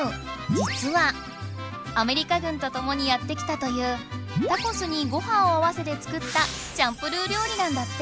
じつはアメリカ軍とともにやって来たというタコスにごはんを合わせて作ったチャンプルーりょう理なんだって。